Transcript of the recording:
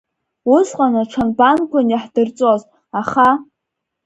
Усҟан аҽанбанқәан иаҳдырҵоз, аха…